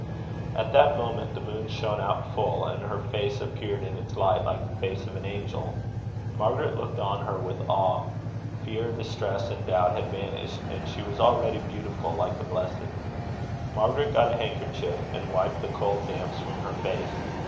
At that moment, the moon shone out full, and her face appeared in its light like the face of an angel. Margaret looked on her with awe. Fear, distress, and doubt had vanished, and she was already beautiful like the blessed. Margaret got a handkerchief, and wiped the cold damps from her face.